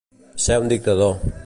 Ser un dictador.